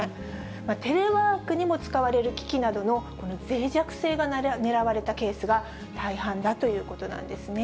テレワークにも使われる機器などのぜい弱性が狙われたケースが大半だということなんですね。